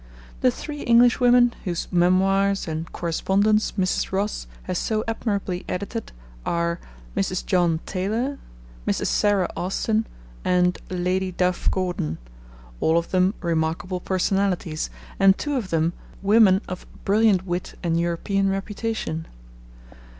The three Englishwomen whose memoirs and correspondence Mrs. Ross has so admirably edited are Mrs. John Taylor, Mrs. Sarah Austin, and Lady Duff Gordon, all of them remarkable personalities, and two of them women of brilliant wit and European reputation.